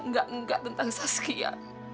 enggak enggak tentang saskia